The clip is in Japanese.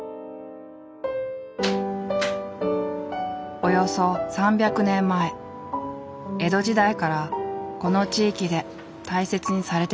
およそ３００年前江戸時代からこの地域で大切にされてきたという。